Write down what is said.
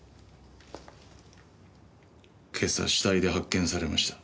今朝死体で発見されました。